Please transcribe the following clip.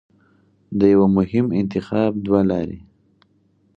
د یوه مهم انتخاب دوه لارې